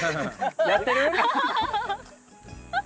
やってる？